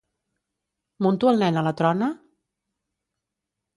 Munto el nen a la trona?